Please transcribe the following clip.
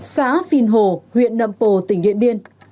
xã phìn hồ huyện nầm pồ tỉnh điện biên